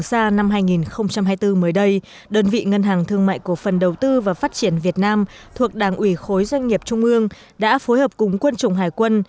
trường xa năm hai nghìn hai mươi bốn mới đây đơn vị ngân hàng thương mại cổ phần đầu tư và phát triển việt nam thuộc đảng ủy khối doanh nghiệp trung ương đã phối hợp cùng quân chủng hải quân